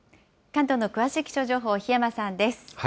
関東の詳しい気象情報、檜山さんです。